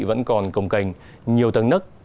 vẫn còn cồng cành nhiều tầng nức